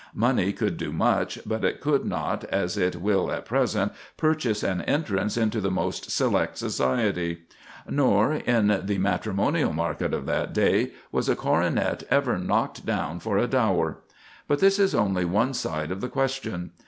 Money could do much, but it could not, as it will at present, purchase an entrance into the most select society; nor, in the matrimonial market of that day, was a coronet ever knocked down for a dower. But this is only one side of the question.